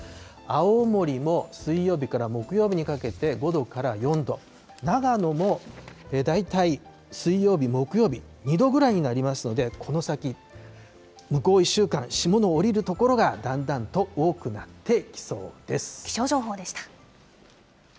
青森も水曜日から木曜日にかけて５度から４度、長野も大体水曜日、木曜日、２度ぐらいになりますので、この先、向こう１週間、霜の降りる所がだんだんと多くなって気象情報でした。